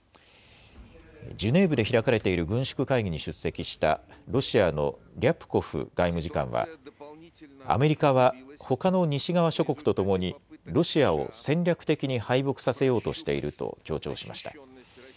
ジュネーブで開かれている軍縮会議に出席したロシアのリャプコフ外務次官はアメリカはほかの西側諸国とともにロシアを戦略的に敗北させようとしていると強調しました。